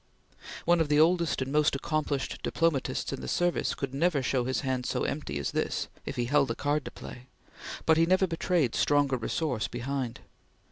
One of the oldest and most accomplished diplomatists in the service could never show his hand so empty as this if he held a card to play; but he never betrayed stronger resource behind.